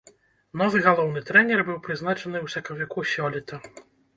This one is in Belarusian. Новы галоўны трэнер быў прызначаны ў сакавіку сёлета.